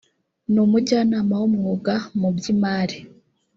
ni umujyanama w’umwuga mu by imari